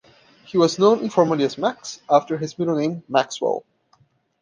He was known informally as "Max", after his middle name "Maxwell".